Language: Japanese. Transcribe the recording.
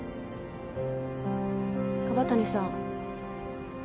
椛谷さん。